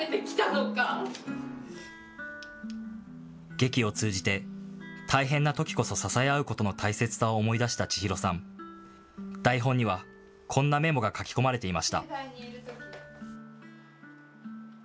劇を通じて、大変なときこそ支え合うことの大切さを思い出した千裕さん、台本にはこんなメモが書き込まれていました。